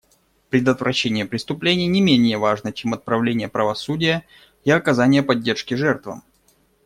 Предотвращение преступлений не менее важно, чем отправление правосудия и оказание поддержки жертвам.